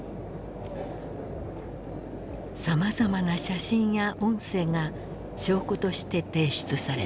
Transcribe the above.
さまざまな写真や音声が証拠として提出された。